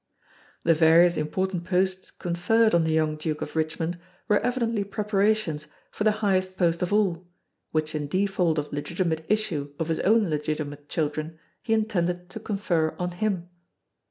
The various important posts conferred on the young Duke of Richmond were evidently preparations for the highest post of all, which in default of legitimate issue of his own legitimate children he intended to confer on him.